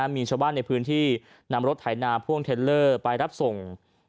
มีชาวบ้านในพื้นที่นำรถไถนาพ่วงเทลเลอร์ไปรับส่ง